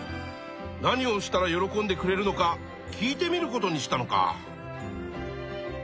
何をしたら喜んでくれるのか聞いてみることにしたのか。